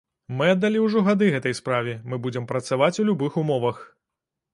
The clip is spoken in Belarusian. Мы аддалі ўжо гады гэтай справе, мы будзем працаваць у любых умовах.